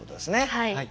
はい。